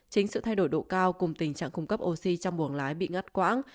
chính sự thay đổi độ cao cùng tình trạng cung cấp oxy trong buồng lái bị ngắt quãng